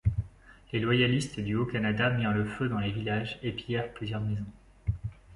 Les Loyalistes du Haut-Canada mirent le feu dans le village et pillèrent plusieurs maisons.